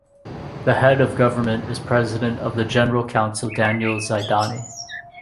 The head of government is President of the General Council Daniel Zaidani.